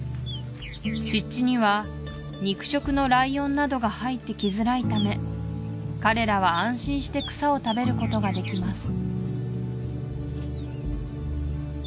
湿地には肉食のライオンなどが入ってきづらいため彼らは安心して草を食べることができます